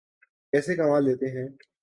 کیسے کما لیتے ہیں؟